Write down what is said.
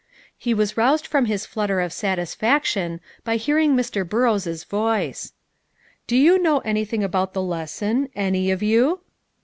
He was roused from his flutter of satisfaction by hearing Mr. Burrows' voice. "Do you know anything about the lesson, any of you?"